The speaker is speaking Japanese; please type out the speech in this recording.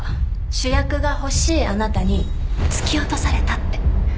主役が欲しいあなたに突き落とされたって。